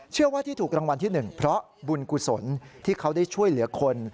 เชื่อว่าที่ถูกรางวัลที่หนึ่งเพราะบุญกุศลที่เขาได้ช่วยเหลือคน